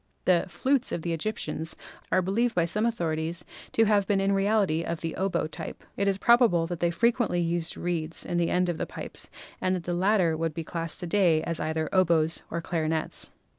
The "flutes" of the Egyptians are believed by some authorities to have been in reality of the oboe type. It is probable that they fre quently used reeds in the end of the pipes and that the latter would be classed to day as either oboes or clarinets.